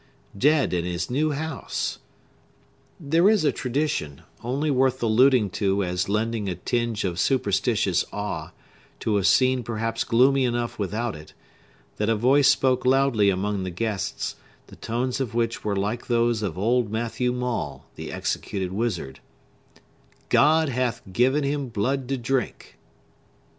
Dead, in his new house! There is a tradition, only worth alluding to as lending a tinge of superstitious awe to a scene perhaps gloomy enough without it, that a voice spoke loudly among the guests, the tones of which were like those of old Matthew Maule, the executed wizard,—"God hath given him blood to drink!"